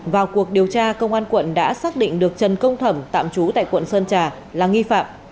vào cuộc điều tra công an quận đã xác định được trần công thẩm tạm trú tại quận sơn trà là nghi phạm